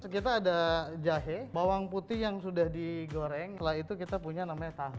kita ada jahe bawang putih yang sudah digoreng setelah itu kita punya namanya tahu